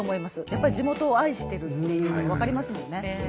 やっぱり地元を愛してるっていうの分かりますもんね。